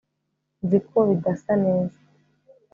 nzi ko bidasa neza